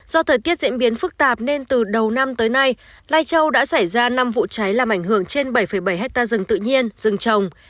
do thời tiết diễn biến phức tạp nên từ đầu năm tới nay lai châu đã xảy ra năm vụ cháy làm ảnh hưởng trên bảy bảy hectare rừng tự nhiên rừng trồng